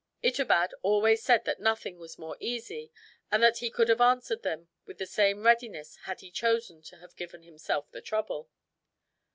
Itobad always said that nothing was more easy, and that he could have answered them with the same readiness had he chosen to have given himself the trouble.